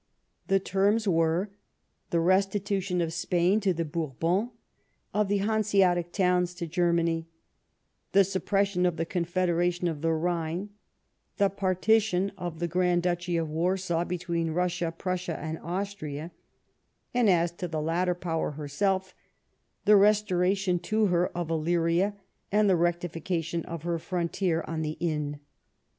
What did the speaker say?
The terms were : the resti tution of Spain to the Bourbons ; of the Hanscatic towns to Germany ; the suppression of the Confederation of the Rhine ; the partition of the Grand Duchy of Warsaw between Russia, Prussia, and Austria ; and, as to the latter power herself, the restoration to her of Illyria, and the rectification of her frontier on the Inn.